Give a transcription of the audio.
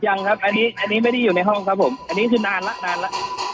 ยังครับอันนี้อันนี้ไม่ได้อยู่ในห้องครับผมอันนี้คือนานแล้วนานแล้ว